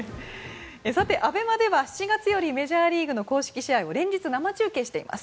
ＡＢＥＭＡでは７月よりメジャーリーグの公式試合を連日、生中継しています。